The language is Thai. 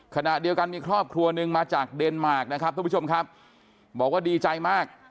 ขณะเดียวกันมีครอบครัวหนึ่งมาจากเดนมาร์คนะครับทุกผู้ชมครับบอกว่าดีใจมาก